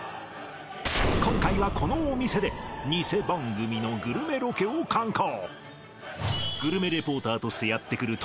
今回はこのお店でニセ番組のグルメロケを敢行